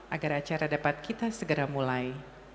agar acara dapat kita segera mulai